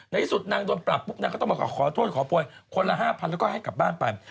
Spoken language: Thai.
ที่สุดนางโดนปรับปุ๊บนางก็ต้องมาขอโทษขอโพยคนละ๕๐๐แล้วก็ให้กลับบ้านไป